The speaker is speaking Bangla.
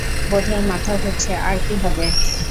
বোধহয় মাথা ঘুরছে, আর কি হবে?